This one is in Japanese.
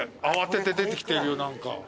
慌てて出てきてるよ何か。